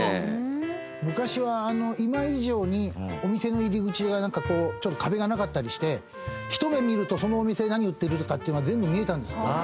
昔は今以上にお店の入り口が壁がなかったりして一目見るとそのお店で何売ってるかっていうのが全部見えたんですって。